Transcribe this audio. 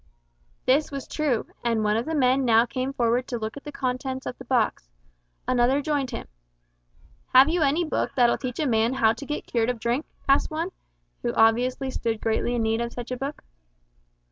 This was true, and one of the men now came forward to look at the contents of the box. Another joined him. "Have you any book that'll teach a man how to get cured of drink?" asked one, who obviously stood greatly in need of such a book.